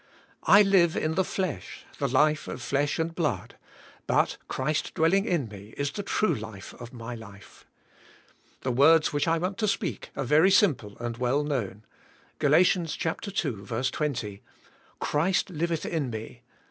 I live in the flesh, the life of flesh and blood, but Christ dwelling in me is the true life of my life. The words which I want to speak are very simple and well known. Gal. 2: 20. "Christ liveth in me.